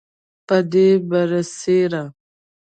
پدې برسیره